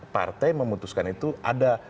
partai memutuskan itu ada